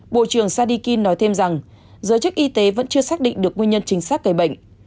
bộ trưởng sadikin nói thêm rằng giới chức y tế vẫn chưa xác định được nguyên nhân chính xác gây bệnh